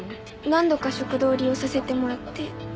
何度か食堂を利用させてもらって。